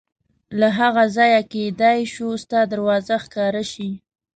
له هغه ځایه کېدای شوه ستا دروازه ښکاره شي.